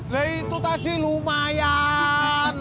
lih itu tadi lumayan